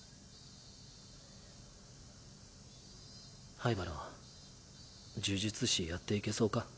灰原呪術師やっていけそうか？